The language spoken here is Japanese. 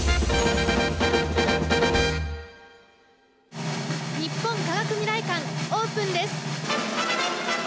日本科学未来館オープンです。